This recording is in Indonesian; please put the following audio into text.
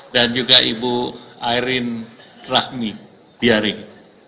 dan juga ibu airin rahmi diaring